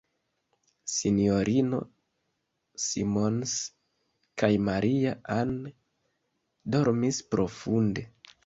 S-ino Simons kaj Maria-Ann dormis profunde.